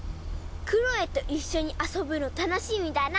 クロエと一緒に遊ぶの楽しみだな。